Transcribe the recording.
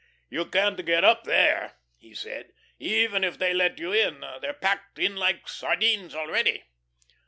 "You can't get up there," he said, "even if they let you in. They're packed in like sardines already."